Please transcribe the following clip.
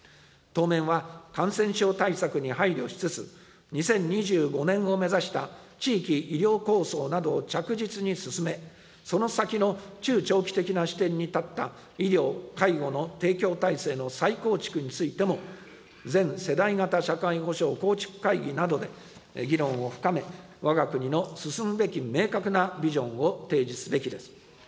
当面は、感染症対策に配慮しつつ、２０２５年を目指した地域医療構想などを着実に進め、その先の中長期的な視点に立った医療・介護の提供体制の再構築についても、全世代型社会保障構築会議などで、議論を深め、わが国の進むべき明確なビジョンを提示すべきです。